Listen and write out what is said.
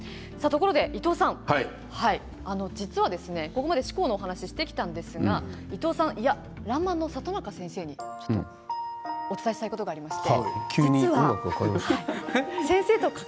いとうさん、実はここまで志功の話をしてきたんですがいや、「らんまん」の里中先生にお伝えしたいことがありまして。